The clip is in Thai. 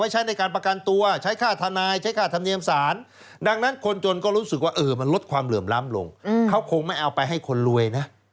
ไว้ใช้ในการประกันตัวใช้ค่าธนาย